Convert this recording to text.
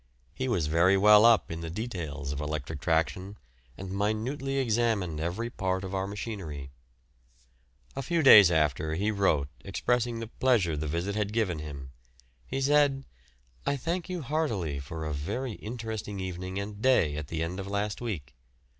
He was very well up in the details of electric traction, and minutely examined every part of our machinery. A few days after he wrote expressing the pleasure the visit had given him. He said: "I thank you heartily for a very interesting evening and day at the end of last week.